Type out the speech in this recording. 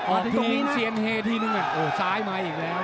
ตรงนี้เซียนเฮทีนึงโอ้ซ้ายมาอีกแล้ว